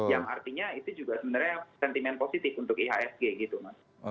yang artinya itu juga sebenarnya sentimen positif untuk ihsg gitu mas